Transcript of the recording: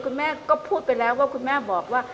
คุณแม่ก็พูดไปแล้วว่าคุณแม่บอกว่า